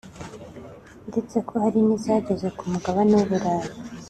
ndetse ko hari n’izageze ku mugabane w’u Burayi